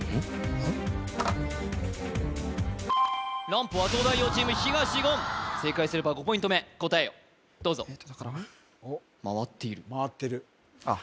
ランプは東大王チーム東言正解すれば５ポイント目答えをどうぞ回っているああ